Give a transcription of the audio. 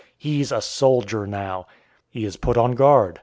He's a soldier now! He is put on guard.